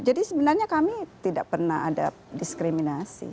jadi sebenarnya kami tidak pernah ada diskriminasi